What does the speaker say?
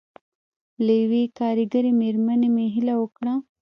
له یوې کارګرې مېرمنې مې هیله وکړه.